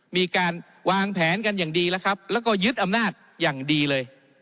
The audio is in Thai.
มีการวางแผนกันอย่างดีแล้วครับแล้วก็ยึดอำนาจอย่างดีเลย